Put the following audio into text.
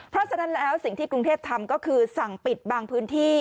เพราะฉะนั้นแล้วสิ่งที่กรุงเทพทำก็คือสั่งปิดบางพื้นที่